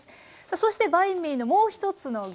そしてバインミーのもう一つの具